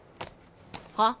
はっ？